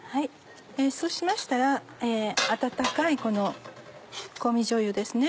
そうしましたら温かいこの香味じょうゆですね。